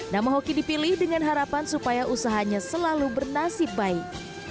nama hoki dipilih dengan harapan supaya usahanya selalu bernasib baik